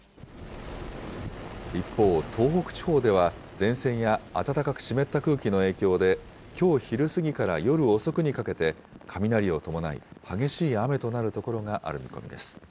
一方、東北地方では、前線や暖かく湿った空気の影響で、きょう昼過ぎから夜遅くにかけて、雷を伴い、激しい雨となる所がある見込みです。